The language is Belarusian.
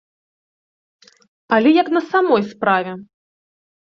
Але як на самой справе?